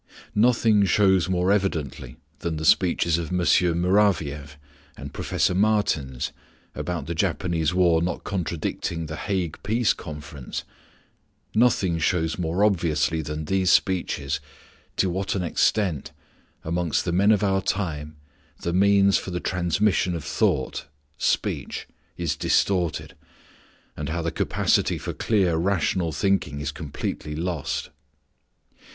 Nothing shows more evidently than the speeches of M. Muravieff and Professor Martens about the Japanese war not contradicting The Hague Peace Conference nothing shows more obviously than these speeches to what an extent, amongst the men of our time, the means for the transmission of thought speech is distorted, and how the capacity for clear, rational thinking is completely lost.